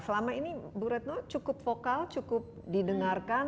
selama ini bu retno cukup vokal cukup didengarkan